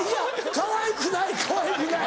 かわいくないかわいくない。